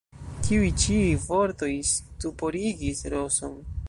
Tiuj ĉi vortoj stuporigis Roson.